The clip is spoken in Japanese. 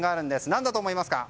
何だと思いますか？